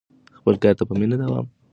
خپل کار ته په مینه دوام ورکړه.